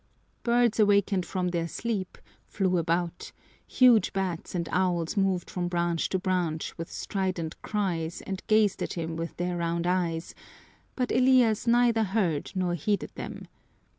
Birds awakened from their sleep flew about, huge bats and owls moved from branch to branch with strident cries and gazed at him with their round eyes, but Elias neither heard nor heeded them.